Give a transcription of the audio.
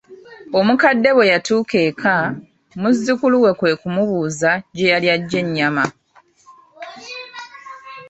Omukadde bwe yatuuka eka, muzzukulu we kwe kumubuuza gye yali ajje ennyama.